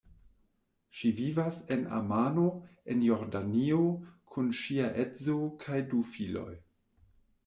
Ŝi vivas en Amano, en Jordanio, kun ŝia edzo kaj du filoj.